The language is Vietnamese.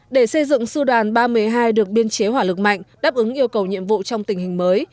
để xây dựng sư đoàn ba trăm một mươi hai được biên chế hỏa lực mạnh đáp ứng yêu cầu nhiệm vụ trong tình hình mới